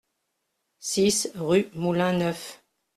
six rue Moulin Neuf